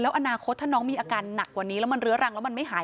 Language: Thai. อนาคตถ้าน้องมีอาการหนักกว่านี้แล้วมันเรื้อรังแล้วมันไม่หาย